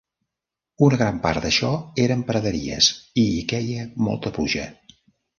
Una gran part d'això eren praderies i hi queia molta pluja.